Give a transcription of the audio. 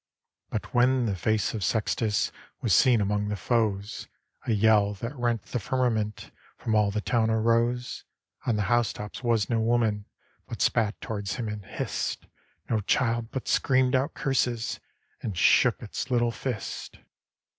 But when the face of Sextus Was seen among the foes, A yell that rent the firmament From all the town arose. On the housetops was no woman But spat towards him and hissed, No child but screamed out curses. And shook its Httle fist.